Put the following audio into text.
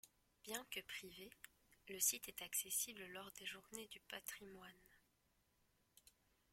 Bien que privé, le site est accessible lors des Journées du patrimoine.